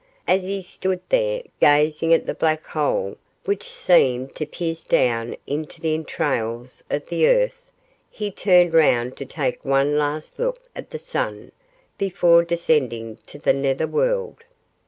As he stood there, gazing at the black hole which seemed to pierce down into the entrails of the earth, he turned round to take one last look at the sun before descending to the nether world.